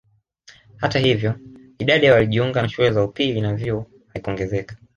Hata hivyo idadi ya waliojiunga na shule za upili na vyuo haikuongezeka